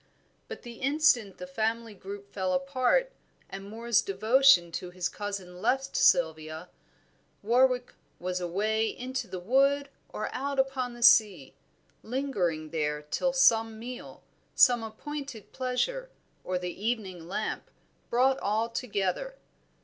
But the instant the family group fell apart and Moor's devotion to his cousin left Sylvia alone, Warwick was away into the wood or out upon the sea, lingering there till some meal, some appointed pleasure, or the evening lamp brought all together.